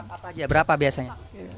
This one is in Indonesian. apa aja berapa biasanya